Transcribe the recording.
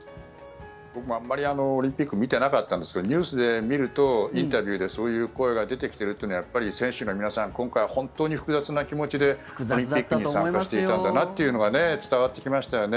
僕もあまりオリンピックを見ていなかったんですけどニュースで見るとインタビューでそういう声が出ているというのは選手の皆さん、今回本当に複雑な気持ちで、オリンピックに参加していたんだなというのが伝わってきましたよね。